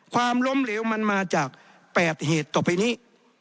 ความล้มเหลวมันมาจาก๘เหตุต่อไปนี้